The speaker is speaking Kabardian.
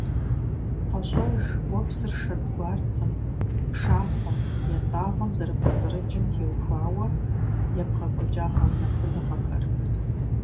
КъэщӀэж уэ псыр шэдгуарцэм, пшахъуэм, ятӀагъуэм зэрыкӀуэцӀрыкӀым теухуауэ ебгъэкӀуэкӀа гъэунэхуныгъэхэр.